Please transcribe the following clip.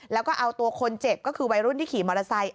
แล้วก็เอาตัวคนเจ็บก็คือวัยรุ่นที่ขี่มอเตอร์ไซค์